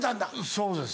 そうです。